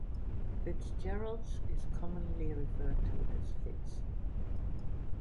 Fitzgerald's is commonly referred to as "Fitz".